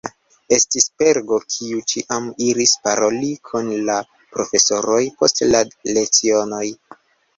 Estis Pergo, kiu ĉiam iris paroli kun la profesoroj post la lecionoj.